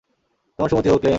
তোমার সুমতি হোক, ক্লেম।